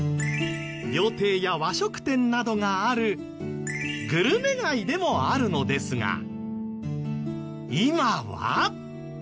料亭や和食店などがあるグルメ街でもあるのですが今は。